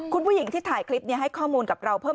คุณผู้หญิงที่ถ่ายคลิปนี้ให้ข้อมูลกับเราเพิ่ม